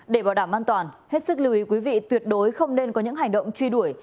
để bảo đảm an toàn hết sức lưu ý quý vị tuyệt đối không nên có những hành động truy đuổi